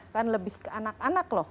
kan lebih ke anak anak loh